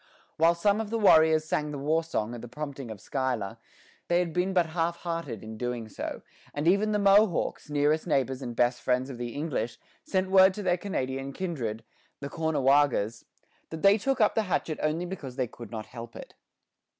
While some of the warriors sang the war song at the prompting of Schuyler, they had been but half hearted in doing so; and even the Mohawks, nearest neighbors and best friends of the English, sent word to their Canadian kindred, the Caughnawagas, that they took up the hatchet only because they could not help it.